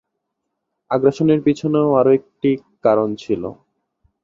আগ্রাসনের পিছনে আরও একটি কারণ ছিল।